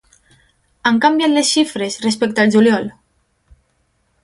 Han canviat les xifres respecte al juliol?